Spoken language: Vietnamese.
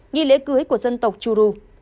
nghi lễ cưới của dân tộc churu